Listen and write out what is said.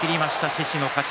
獅司の勝ち